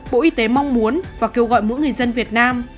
bộ y tế mong muốn và kêu gọi mỗi người dân việt nam